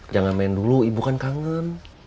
jangan main dulu ibu kan kangen